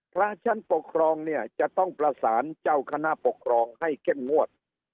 ชั้นปกครองเนี่ยจะต้องประสานเจ้าคณะปกครองให้เข้มงวด